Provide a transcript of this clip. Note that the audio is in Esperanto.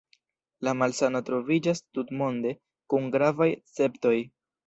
La malsano troviĝas tutmonde, kun gravaj esceptoj.